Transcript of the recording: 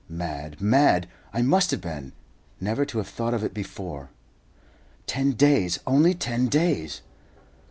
Mad, mad, I must have been, never to have thought of it before. Ten days! Only ten days!